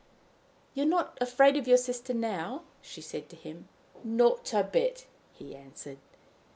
"You're not afraid of your sister now?" she said to him. "Not a bit," he answered.